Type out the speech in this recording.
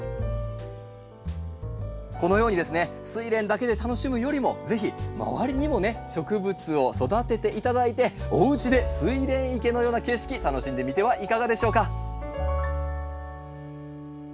このようにですねスイレンだけで楽しむよりも是非周りにもね植物を育てて頂いておうちでスイレン池のような景色楽しんでみてはいかがでしょうか？